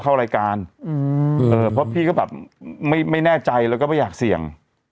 เพราะพี่ก็แบบไม่แน่ใจแล้วก็ไม่อยากเสี่ยง